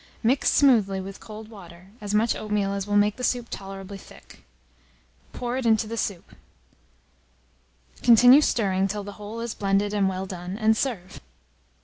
Mix smoothly, with cold water, as much oatmeal as will make the soup tolerably thick; pour it into the soup; continue stirring till the whole is blended and well done, and serve.